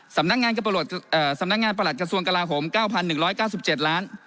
สำนักงานกระตรกระทรวงกลาโหม๙๑๙๗ล้าน